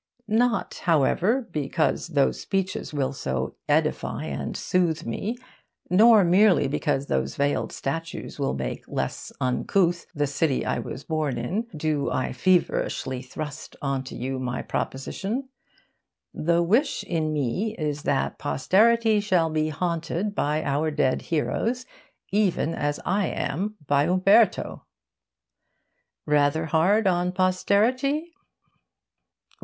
Not, however, because those speeches will so edify and soothe me, nor merely because those veiled statues will make less uncouth the city I was born in, do I feverishly thrust on you my proposition. The wish in me is that posterity shall be haunted by our dead heroes even as I am by Umberto. Rather hard on posterity?